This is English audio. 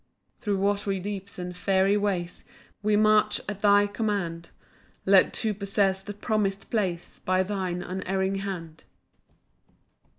8 Thro' watery deeps and fiery ways We march at thy command, Led to possess the promis'd place By thine unerring hand.